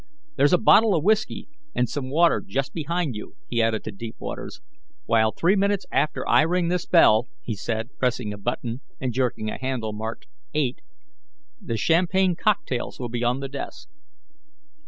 There's a bottle of whisky and some water just behind you," he added to Deepwaters, "while three minutes after I ring this bell," he said, pressing a button and jerking a handle marked '8,' "the champagne cocktails will be on the desk."